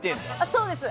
そうです。